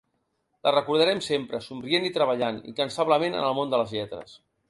La recordarem sempre somrient i treballant incansablement en el món de les lletres.